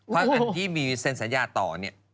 เพราะอันที่มีเซ็นสัญญาต่อเนี่ย